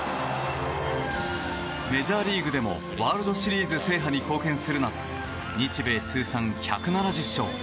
メジャーリーグでもワールドシリーズ制覇に貢献するなど日米通算１７０勝。